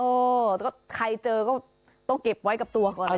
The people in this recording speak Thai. เออแล้วก็ใครเจอก็ต้องเก็บไว้กับตัวก่อนแหละ